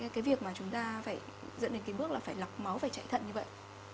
cái việc mà chúng ta phải dẫn đến cái bước là phải lọc máu và chạy thận như vậy